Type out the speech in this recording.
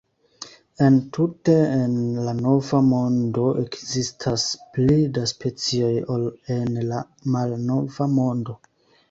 Entute en la Nova Mondo ekzistas pli da specioj ol en la Malnova Mondo.